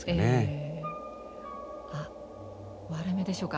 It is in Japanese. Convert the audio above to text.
あっ割れ目でしょうか。